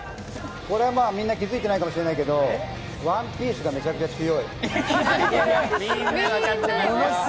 これはみんな気づいていないかもしれないけど「ＯＮＥＰＩＥＣＥ」がめちゃくちゃ強い。